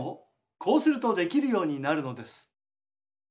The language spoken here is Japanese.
こうするとできるようになるのです。